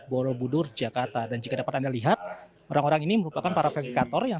borobudur jakarta dan jika dapat anda lihat orang orang ini merupakan para verikator yang